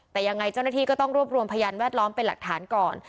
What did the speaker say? แต่ยังไงเจ้าหน้าที่ก็ต้องรวบรวมพยานแวดล้อมเป็นหลักฐานก่อน